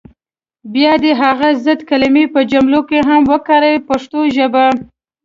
بیا دې هغه ضد کلمې په جملو کې هم وکاروي په پښتو ژبه.